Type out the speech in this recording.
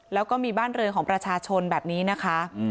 แล้วก็มีบ้านเรือนของประชาชนแบบนี้นะคะ